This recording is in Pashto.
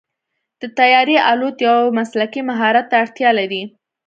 د طیارې الوت یو مسلکي مهارت ته اړتیا لري.